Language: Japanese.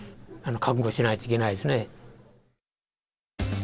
覚悟しないといけないですね。